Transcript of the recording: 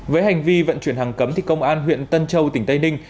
với hành vi vận chuyển hàng cấm công an huyện tân châu tỉnh tây ninh